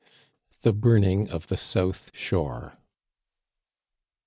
THE BURNING OF THE SOUTH SHORE.